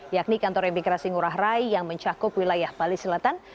yakni kantor imigrasi ngurah rai yang mencakup wilayah bali selatan